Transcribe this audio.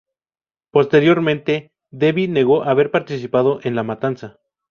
Posteriormente Devi negó haber participado en la matanza.